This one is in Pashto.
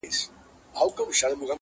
جهاني ډېر به دي غزل په تول د بوسو اخلي،